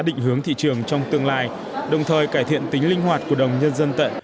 định hướng thị trường trong tương lai đồng thời cải thiện tính linh hoạt của đồng nhân dân tận